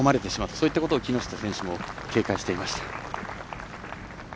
そういったことを木下選手も警戒していました。